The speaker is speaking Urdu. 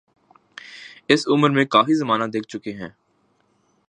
اس عمر میں کافی زمانہ دیکھ چکے ہیں۔